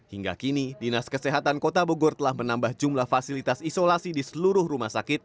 hingga kini dinas kesehatan kota bogor telah menambah jumlah fasilitas isolasi di seluruh rumah sakit